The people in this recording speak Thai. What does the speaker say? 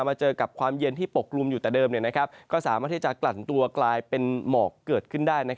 มาเจอกับความเย็นที่ปกลุ่มอยู่แต่เดิมก็สามารถที่จะกลั่นตัวกลายเป็นหมอกเกิดขึ้นได้